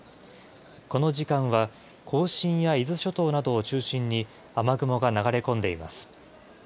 この時間は、甲信や伊豆諸島などを中心に、雨雲が流れ込んでいます。